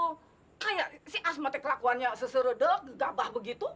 kayak si asma teh kelakuannya seseredek gabah begitu